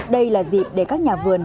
đây là dịp để các nhà vườn